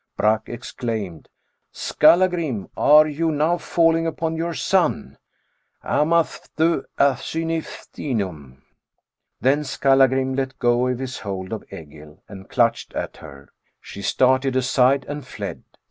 Brak exclaimed, —^ Skallagrim ! are you now falling upon your son ?' (hamaz ))u at syni finum). Then Skallagrim let go his hold of Egill and clutched at her. She started aside and fled.